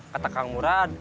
kata kang murad